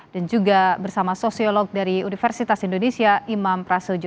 dan juga bersama sosiolog dari universitas indonesia imam prasojo